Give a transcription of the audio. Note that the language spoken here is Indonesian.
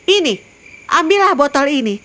ini ambillah botol ini